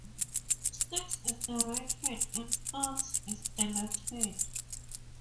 Sticks is the right head and Stones is the left head.